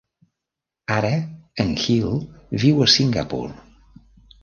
Ara, en Heal viu a Singapore.